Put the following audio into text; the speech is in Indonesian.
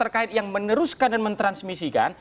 terkait yang meneruskan dan mentransmisikan